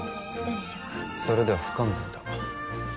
それでは不完全だ。